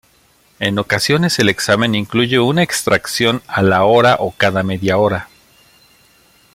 En ocasiones el examen incluye una extracción a la hora o cada media hora.